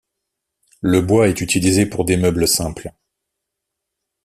Le bois est utilisé pour des meubles simples.